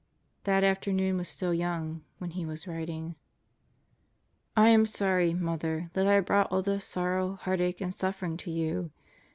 That afternoon was still young when he was writing: I am sorry, Mother, that I have brought all this sorrow, heart ache, and suffering to you.